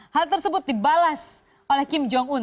hal tersebut dibalas oleh kim jong un